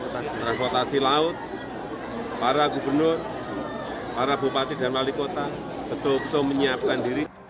kota kota silaut para gubernur para bupati dan lalikota betul betul menyiapkan diri